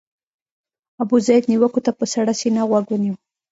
ابوزید نیوکو ته په سړه سینه غوږ ونیو.